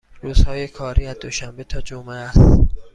روزهای کاری از دوشنبه تا جمعه است.